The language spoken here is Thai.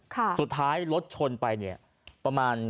สักครั้งรถชนไปเนี่ยเกือบ๑๐ครั้ง